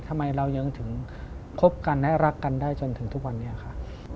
ทำไมเรายังถึงคบกันและรักกันได้จนถึงทุกวันนี้ค่ะ